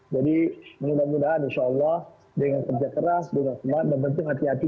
jadi semoga moga insya allah dengan kerja keras dengan semangat dan penting hati hati